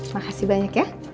makasih banyak ya